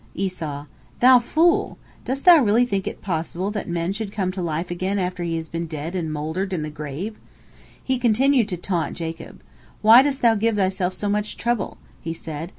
Esau: "Thou fool! Dost thou really think it possible that man should come to life again after he has been dead and has mouldered in the grave?" He continued to taunt Jacob. "Why dost thou give thyself so much trouble?" he said.